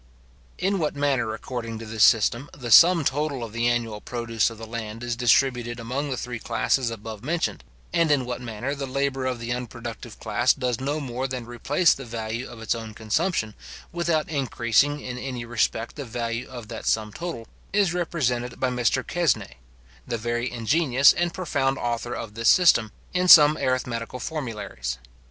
In what manner, according to this system, the sum total of the annual produce of the land is distributed among the three classes above mentioned, and in what manner the labour of the unproductive class does no more than replace the value of its own consumption, without increasing in any respect the value of that sum total, is represented by Mr Quesnai, the very ingenious and profound author of this system, in some arithmetical formularies.